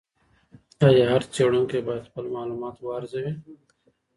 ایا هر څېړونکی باید خپل معلومات وارزوي؟